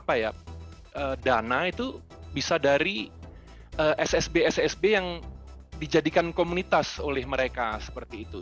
akademinya harus bisa mendapatkan dana itu bisa dari ssb ssb yang dijadikan komunitas oleh mereka seperti itu